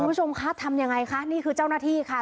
คุณผู้ชมคะทำยังไงคะนี่คือเจ้าหน้าที่ค่ะ